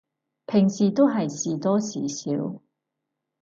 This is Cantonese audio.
平時都係時多時少